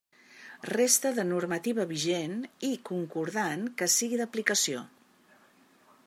Resta de normativa vigent i concordant que sigui d'aplicació.